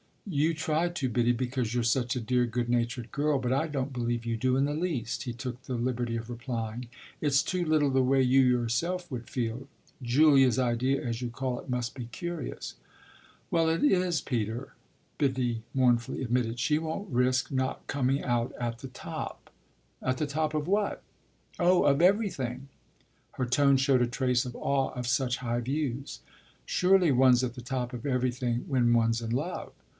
"You try to, Biddy, because you're such a dear good natured girl, but I don't believe you do in the least," he took the liberty of replying. "It's too little the way you yourself would feel. Julia's idea, as you call it, must be curious." "Well, it is, Peter," Biddy mournfully admitted. "She won't risk not coming out at the top." "At the top of what?" "Oh of everything." Her tone showed a trace of awe of such high views. "Surely one's at the top of everything when one's in love."